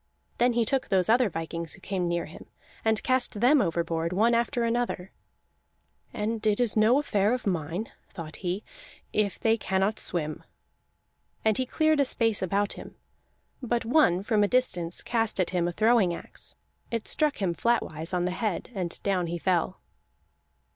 Then he took those other vikings who came near him, and cast them overboard one after another; "and it is no affair of mine," thought he, "if they cannot swim." And he cleared a space about him, but one from a distance cast at him a throwing axe; it struck him flatwise on the head, and down he fell.